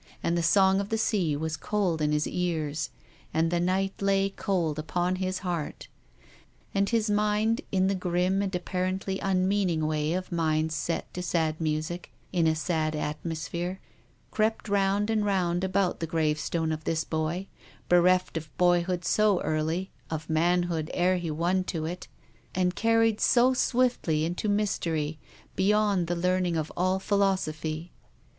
And the song of the sea was cold in his ears. And the night lay cold upon his heart. And his mind — in the grim, and apparently unmeaning way of minds set to sad music in a sad atmosphere — crept round and round about the gravestone of this boy ; bereft of boyhood so early, of manhood ere he won to it, and carried so swiftly into mystery beyond the learning of all philosophy.